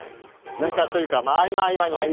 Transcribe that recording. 追加というか合間合間にね。